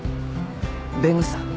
弁護士さん？